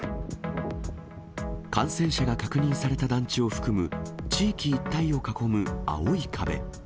感染者が確認された団地を含む、地域一帯を囲む青い壁。